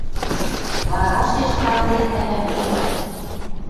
Варашеш канден ӓвӓм тидӹм?